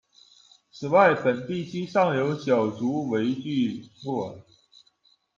此外，本地区尚有小竹围聚落。